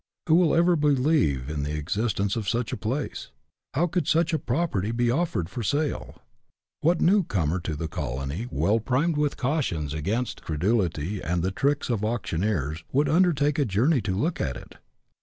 Who will ever believe in the existence of such a place ? How could such a property be offered for sale ? What new comer to the colony, well primed with cautions against credulity and the tricks of auctioneers, would undertake a journey to look at it